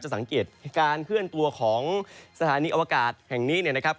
สังเกตการเคลื่อนตัวของสถานีอวกาศแห่งนี้เนี่ยนะครับ